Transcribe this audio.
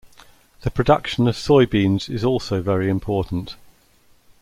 The production of soybeans is also very important.